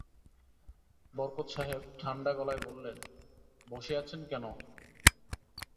বরকত সাহেব ঠাণ্ডা গলায় বললেন, বসে আছেন কেন?